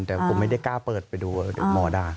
แต่ผมไม่ได้กล้าเปิดไปดูหมอด่า